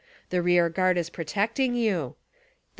The rear guard is protecting you ; the.